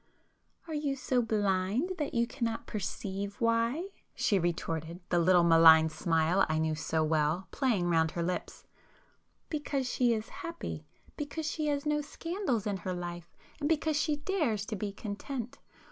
"Are you so blind that you cannot perceive why?" she retorted, the little malign smile I knew so well playing round her lips—"Because she is happy! Because she has no scandals in her life, and because she dares to be content!